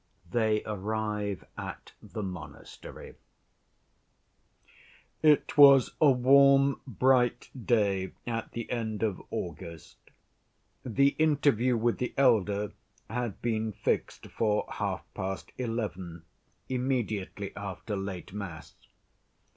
They Arrive At The Monastery It was a warm, bright day at the end of August. The interview with the elder had been fixed for half‐past eleven, immediately after late mass.